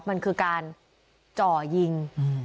มันคือการจ่อยิง